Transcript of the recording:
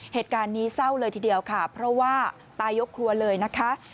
เหตุการณ์นี้เศร้าเลยทีเดียวค่ะเพราะว่าตายยกครัวเลยนะคะ